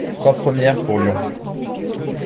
Trois premières pour Lyon !…